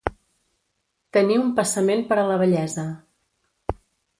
Tenir un passament per a la vellesa.